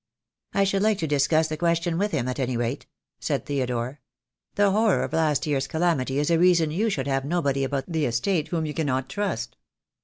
"I should like you to discuss the question with him, at any rate," said Theodore. "The horror of last year's calamity is a reason you should have nobody about the estate whom you cannot trust."